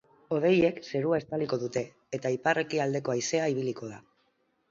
Hodeiek zerua estaliko dute, eta ipar-ekialdeko haizea ibiliko da.